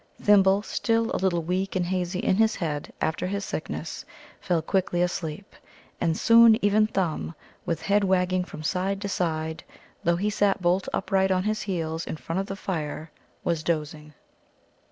Thimble, still a little weak and hazy in his head after his sickness, fell quickly asleep; and soon even Thumb, with head wagging from side to side, though he sat bolt upright on his heels in front of the fire, was dozing.